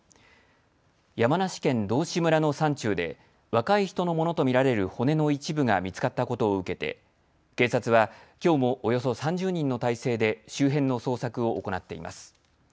山梨県道志村の山中で若い人のものと見られる骨の一部が見つかったことを受けて警察はきょうもおよそ３０人の態勢で周辺の捜索を行っています。